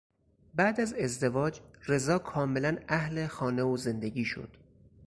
بعد از ازدواج رضا کاملا اهل خانه و زندگی شد.